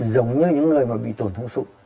giống như những người mà bị tổn thương sụn